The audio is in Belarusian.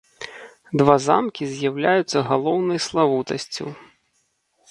Два замкі з'яўляюцца галоўнай славутасцю.